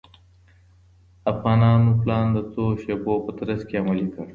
افغانانو پلان د څو شېبو په ترڅ کې عملي کړ.